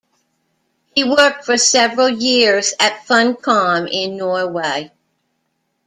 He worked for several years at Funcom in Norway.